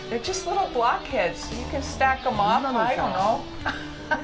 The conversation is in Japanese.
ハハハハハ。